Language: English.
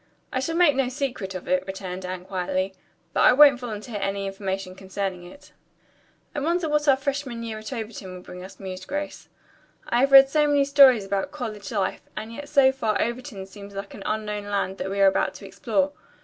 "I shall make no secret of it," returned Anne quietly, "but I won't volunteer any information concerning it." "I wonder what our freshman year at Overton will bring us," mused Grace. "I have read so many stories about college life, and yet so far Overton seems like an unknown land that we are about to explore.